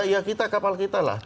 ya kita kapal kita lah